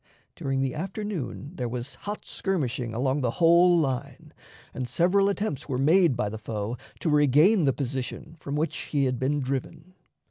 During the afternoon there was hot skirmishing along the whole line, and several attempts were made by the foe to regain the position from which he had been driven.